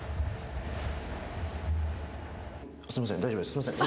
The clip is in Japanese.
すいません。